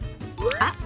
あっ！